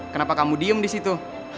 kenapa kamu diem di situ